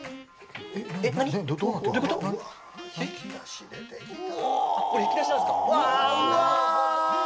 引き出し、出てきた。